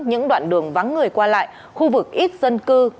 những đoạn đường vắng người qua lại khu vực ít dân cư